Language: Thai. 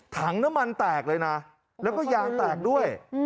ถังน้ำมันแตกเลยนะแล้วก็ยางแตกด้วย